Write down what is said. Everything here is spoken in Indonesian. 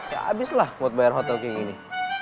ya abis lah buat bayar hotel kayak gini